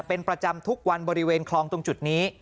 เป็นประจำทุกวันบริเวณคลองตรงจุดนี้